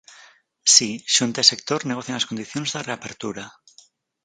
Si, Xunta e sector negocian as condicións da reapertura.